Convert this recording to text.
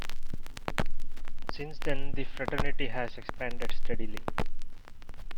Since then the fraternity has expanded steadily.